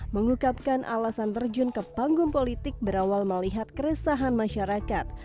mengukapkan alasan terjun ke panggung politik berawal melihat keresahan masyarakat